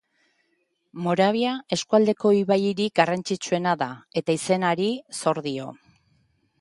Moravia eskualdeko ibairik garrantzitsuena da eta izena hari zor dio.